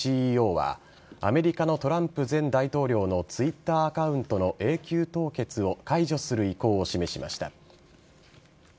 ＣＥＯはアメリカのトランプ前大統領のＴｗｉｔｔｅｒアカウントの永久凍結を解除する意向を示しました。